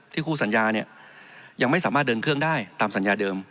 คู่สัญญาเนี่ยยังไม่สามารถเดินเครื่องได้ตามสัญญาเดิม